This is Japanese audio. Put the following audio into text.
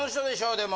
でも。